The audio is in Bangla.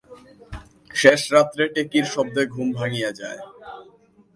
শেষরাত্রে টেকির শব্দে ঘুম ভাঙিয়া যায়।